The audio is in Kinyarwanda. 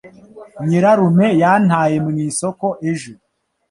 Nyirarume yantaye mu isoko ejo.